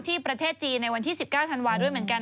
ประเทศจีนในวันที่๑๙ธันวาคด้วยเหมือนกัน